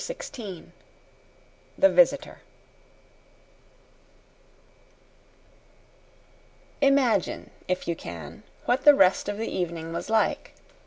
16 The Visitor Imagine, if you can, what the rest of the evening was like.